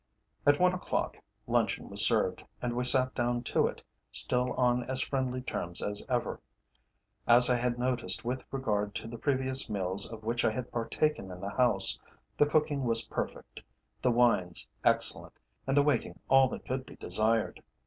At one o'clock luncheon was served, and we sat down to it, still on as friendly terms as ever. As I had noticed with regard to the previous meals of which I had partaken in the house, the cooking was perfect, the wines excellent, and the waiting all that could be desired.